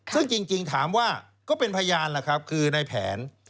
ซึ่งจริงถามว่าก็เป็นพยานล่ะครับคือในแผน